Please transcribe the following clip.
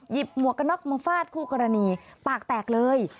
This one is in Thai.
หมวกกระน็อกมาฟาดคู่กรณีปากแตกเลย